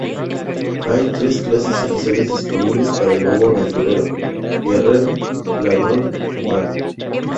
Hay tres clases iniciales disponibles para el nuevo aventurero: guerrero, ladrón y mago.